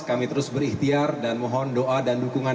kami terus berikhtiar dan mohon doa dan dukungan